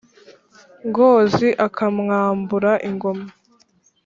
ngozi akamwambura ingoma.